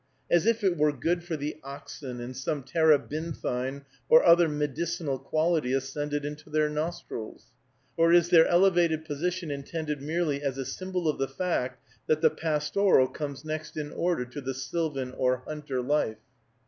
As if it were good for the oxen, and some terebinthine or other medicinal quality ascended into their nostrils. Or is their elevated position intended merely as a symbol of the fact that the pastoral comes next in order to the sylvan or hunter life?